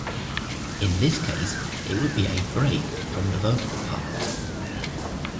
In this case it would be a "break" from the vocal part.